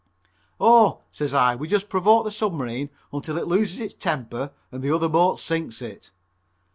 "Oh," says I, "we just provoke the submarine until it loses its temper and the other boat sinks it."